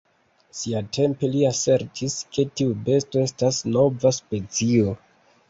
Siatempe li asertis ke tiu besto estas nova specio.